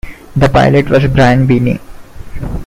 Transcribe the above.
The pilot was Brian Binnie.